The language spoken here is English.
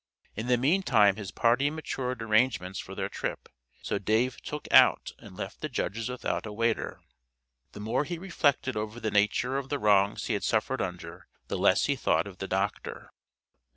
In the meantime his party matured arrangements for their trip, so Dave "took out" and left the Judges without a waiter. The more he reflected over the nature of the wrongs he had suffered under, the less he thought of the Doctor.